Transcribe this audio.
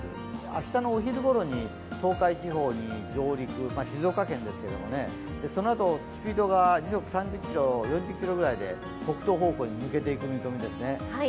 明日のお昼ごろに東海地方に上陸、静岡県ですけどね、そのあとスピードが時速３０キロ、４０キロぐらいで北東方向に抜けていく見込みですね。